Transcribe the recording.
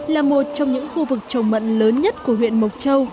là một trong những khu vực trồng mận lớn nhất của huyện mộc châu